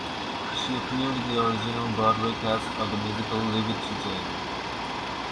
She appeared in the original Broadway cast of the musical "Leave It to Jane".